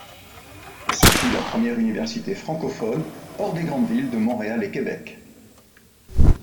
Ce fut la première Université francophone hors des grandes villes de Montréal et Québec.